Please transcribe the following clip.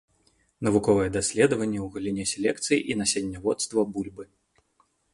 Навуковыя даследаванні ў галіне селекцыі і насенняводства бульбы.